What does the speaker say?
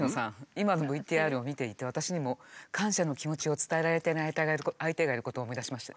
今のＶＴＲを見ていて私にも感謝の気持ちを伝えられていない相手がいることを思い出しました。